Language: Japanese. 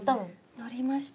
乗りました。